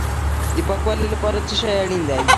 د پاکوالي لپاره څه شی اړین دی؟